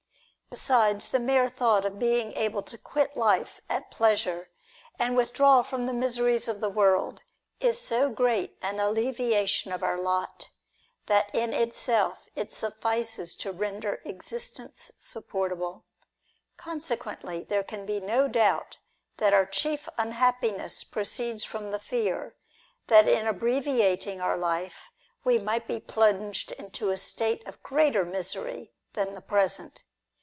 Besides, the mere thought of being able to quit life at pleasure, and withdraw from the miseries of the world, is so great an alleviation of our lot, that in itself it suffices to render existence supportable. Consequently, there can be no doubt that our chief unhappiness pro ceeds from the fear, that in abbreviating our life we might be plunged into a state of greater misery than the present.